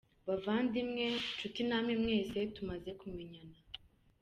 Bavandimwe, nshuti namwe mwese tumaze kumenyana,